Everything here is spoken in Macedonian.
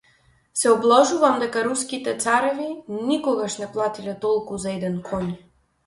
Се обложувам дека Руските цареви никогаш не платиле толку за еден коњ.